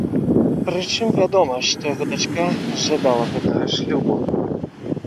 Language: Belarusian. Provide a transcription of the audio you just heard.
Прычым вядома, што яго дачка жадала гэтага шлюбу.